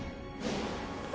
あ